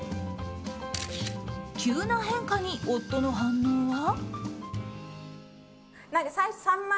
急な変化に、夫の反応は。